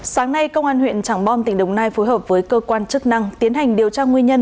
sáng nay công an huyện tràng bom tỉnh đồng nai phối hợp với cơ quan chức năng tiến hành điều tra nguyên nhân